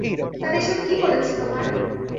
তারা এসব কি করেছে তোমার?